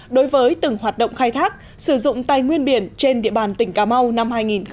đối với từng hoạt động khai thác sử dụng tài nguyên biển trên địa bàn tỉnh cà mau năm hai nghìn một mươi tám